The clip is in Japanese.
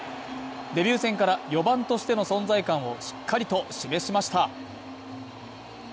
デビュー戦から４番としての存在感をしっかりと示しました。